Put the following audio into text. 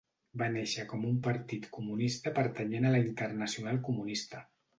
Va néixer com un Partit Comunista pertanyent a la Internacional Comunista.